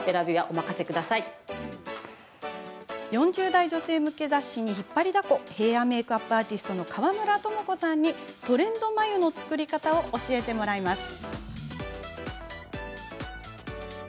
４０代女性向け雑誌に引っ張りだこヘアメークアップアーティストの川村友子さんに、トレンド眉の作り方を教えてもらいます。